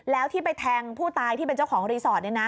แล้วที่ไปแทงผู้ตายที่เป็นเจ้าของรีสอร์ท